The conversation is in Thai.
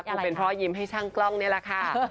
คงเป็นเพราะยิ้มให้ช่างกล้องนี่แหละค่ะ